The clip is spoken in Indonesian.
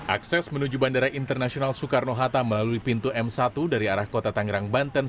akses menuju bandara internasional soekarno hatta melalui pintu m satu dari arah kota tangerang banten